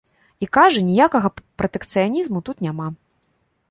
І, кажа, ніякага пратэкцыянізму тут няма.